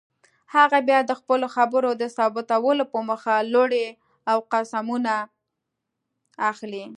هغه بیا د خپلو خبرو د ثابتولو په موخه لوړې او قسمونه اخلي.